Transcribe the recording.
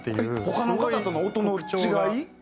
他の方との音の違い？